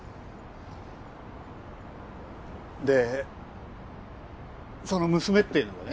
でその娘っていうのがね。